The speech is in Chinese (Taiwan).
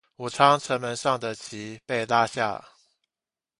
武昌城門上的旗被拉下